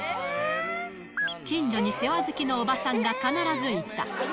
近所に世話好きのおばさんが必ずいた。